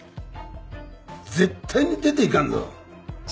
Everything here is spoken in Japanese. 絶対に出ていかんぞ。